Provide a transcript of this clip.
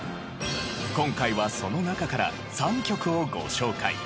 今回はその中から３曲をご紹介。